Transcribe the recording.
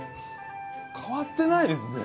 変わってないですね。